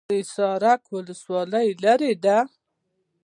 د حصارک ولسوالۍ لیرې ده